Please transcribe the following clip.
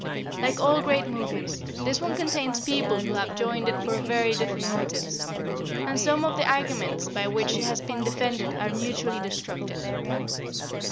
Like all great movements, this one contains people who have joined it for very different motives, and some of the arguments by which it has been defended are mutually destructive.